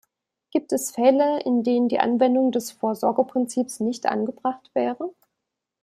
Gibt es Fälle, in denen die Anwendung des Vorsorgeprinzips nicht angebracht wäre?